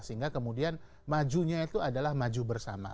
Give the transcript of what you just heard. sehingga kemudian majunya itu adalah maju bersama